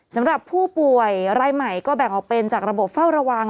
สำหรับผู้ป่วยรายใหม่ก็แบ่งออกเป็นจากระบบเฝ้าระวัง